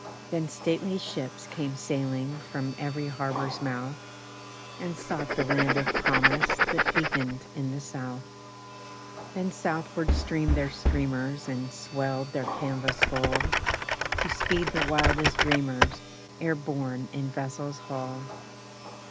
Then stately ships came sailing From every harbour's mouth, And sought the land of promise That beaconed in the South; Then southward streamed their streamers And swelled their canvas full To speed the wildest dreamers E'er borne in vessel's hull.